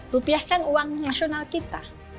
rupiah kan uang nasional kita